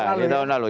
iya di tahun lalu